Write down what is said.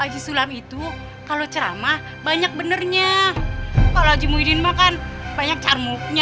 aja sulam itu kalau ceramah banyak benernya kalau jempolin makan banyak cari murnya